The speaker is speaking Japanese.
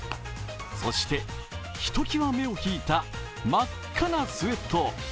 そして、ひときわ目を引いた真っ赤なスエット。